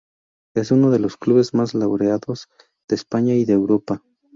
Es uno de los clubes más laureados de España y de Europa.